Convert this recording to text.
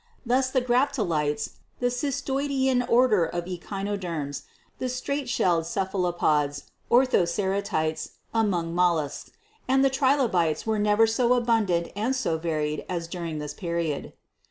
Thus the Graptolites, the Cystoidean order of Echinoderms, the straight shelled Cephalopods (ortho ceratites) among Mollusks, and the Trilobites were never so abundant and so varied as during this period.